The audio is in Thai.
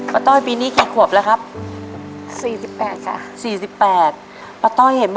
ป้าต้อยปีนี้กี่ขวบละครับ